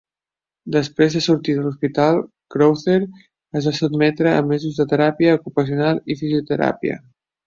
Després de sortir de l'hospital, Crowther es va sotmetre a mesos de teràpia ocupacional i fisioteràpia.